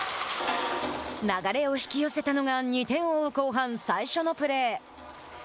流れを引き寄せたのが２点を追う後半最初のプレー。